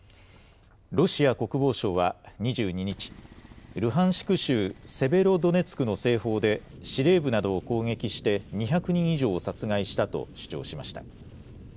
ロシア国防省は２２日、ルハンシク州セベロドネツクの西方で司令部などを攻撃して２００人以上を殺害したと主張しました。